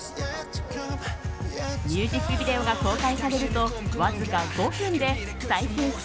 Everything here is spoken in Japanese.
ミュージックビデオが公開されるとわずか５分で再生